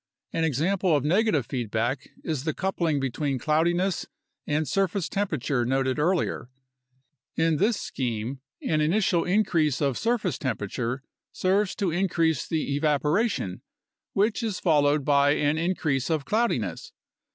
An example of negative feedback is the coupling between cloudiness and surface temperature noted earlier. In this scheme, an initial increase of surface temperature serves to increase the evaporation, which is followed by an increase of cloudiness.